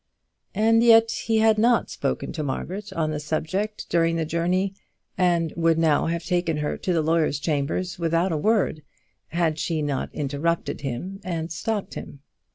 And yet he had not spoken to Margaret on the subject during the journey, and would now have taken her to the lawyer's chambers without a word, had she not interrupted him and stopped him.